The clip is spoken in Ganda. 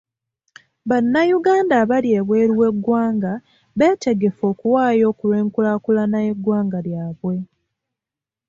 Bannayuganda abali ebweru w'eggwanga beetegefu okuwaayo ku lw'enkulaakulana y'eggwanga lyabwe.